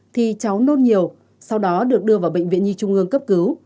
thì cháu nốt nhiều sau đó được đưa vào bệnh viện nhi trung ương